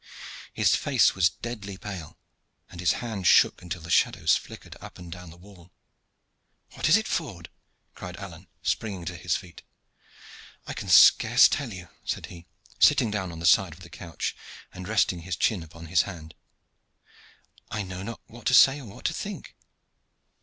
His face was deadly pale, and his hand shook until the shadows flickered up and down the wall. "What is it, Ford?" cried Alleyne, springing to his feet. "I can scarce tell you," said he, sitting down on the side of the couch, and resting his chin upon his hand. "I know not what to say or what to think."